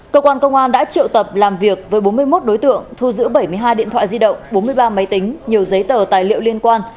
cơ quan công an đã triệu tập làm việc với bốn mươi một đối tượng thu giữ bảy mươi hai điện thoại di động bốn mươi ba máy tính nhiều giấy tờ tài liệu liên quan